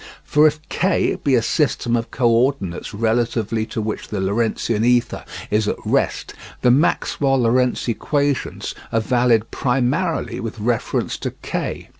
For if K be a system of co ordinates relatively to which the Lorentzian ether is at rest, the Maxwell Lorentz equations are valid primarily with reference to K.